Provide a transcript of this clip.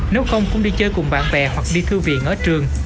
nếu không cũng đi chơi cùng bạn bè hoặc đi thư viện ở trường